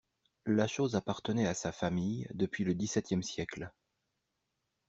La chose appartenait à sa famille depuis le dix-septième siècle.